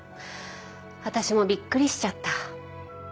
私もびっくりしちゃった。